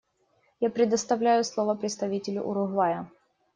Я предоставляю слово представителю Уругвая.